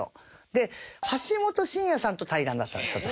で橋本真也さんと対談だったんです私。